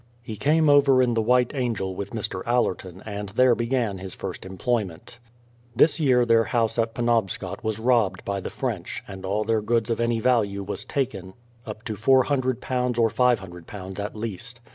He came over in the White Angel with Mr. Allerton, and there began his first employment. This year their house at Penobscot was robbed by the French, and all their goods of any value was taken, up to £400 or £500 at least.